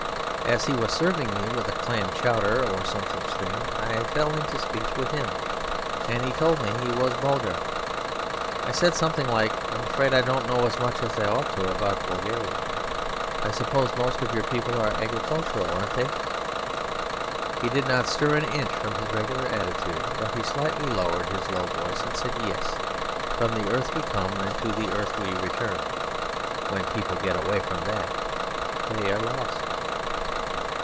As he was serving me with clam chowder or some such thing, I fell into speech with him and he told me he was a Bulgar. I said something like, 'I'm afraid I don't know as much as I ought to about Bulgaria. I suppose most of your people are agricultural, aren't they?' He did not stir an inch from his regular attitude, but he slightly lowered his low voice and said, 'Yes. From the earth we come and to the earth we return; when people get away from that they are lost.'